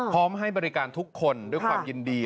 ให้บริการทุกคนด้วยความยินดี